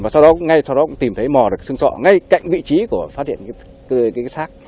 và sau đó ngay sau đó cũng tìm thấy mò được xương sọ ngay cạnh vị trí của phát hiện cái xác